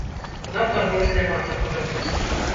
Нам там больш няма чаго рабіць.